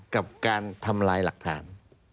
กับการทำลายหลักฐาน